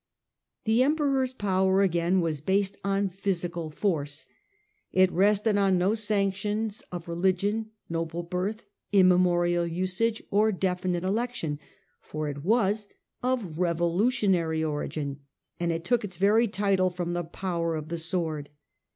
The Emperor's power, again, was based on physical force. It rested on no sanctions of religion, noble birth, immemorial usage, or definite election, for it was of revolutionary origin and took its very was Kd^on title from the power of the sword.